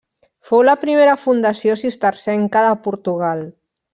Fou la primera fundació cistercenca de Portugal.